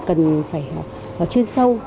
cần phải chuyên sâu